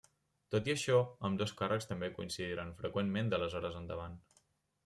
Tot i això, ambdós càrrecs també coincidiren freqüentment d'aleshores endavant.